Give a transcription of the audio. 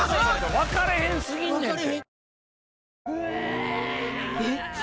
わかれへんすぎんねんて。